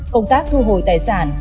công tác thu hồi tài sản